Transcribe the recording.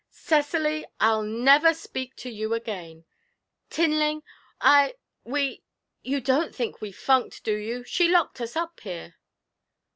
'Cecily, I'll never speak to you again! Tinling, I we you don't think we funked, do you? She locked us up here!'